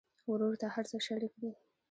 ورور ته هر څه شريک دي.